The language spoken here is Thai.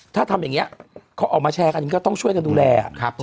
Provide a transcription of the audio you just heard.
ถ้าทำอย่างนี้เขาออกมาแชร์กันก็ต้องช่วยกันดูแล